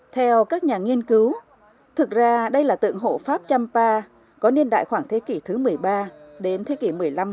theo các nhà nghiên cứu thực ra đây là tượng hộ pháp trăm pa có niên đại khoảng thế kỷ thứ một mươi ba đến thế kỷ một mươi năm